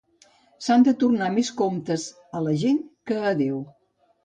S'han de tornar més comptes a la gent que a Déu.